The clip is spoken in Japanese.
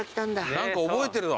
何か覚えてるわ。